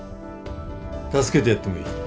助けてやってもいい。